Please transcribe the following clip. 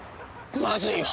まずいわ！